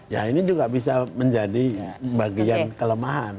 ya ini juga bisa menjadi bagian kelemahan